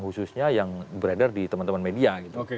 khususnya yang beredar di teman teman media gitu